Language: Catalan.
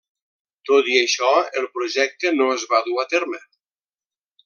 Tot i això, el projecte no es va dur a terme.